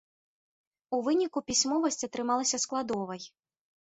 У выніку пісьмовасць атрымалася складовай.